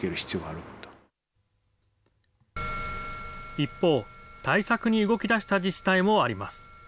一方、対策に動きだした自治体もあります。